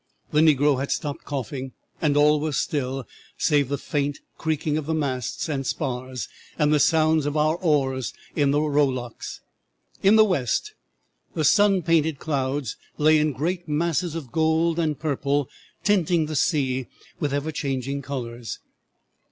The negro had stopped coughing, and all was still, save the faint creaking of the masts and spars and the sounds of our oars in the rowlocks. "'In the west the sun painted clouds lay in great masses of gold and purple, tinting the sea with ever changing colors.